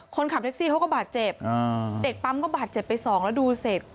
คนขับแท็กซี่เขาก็บาดเจ็บเด็กปั๊มก็บาดเจ็บไปสองแล้วดูเสร็จ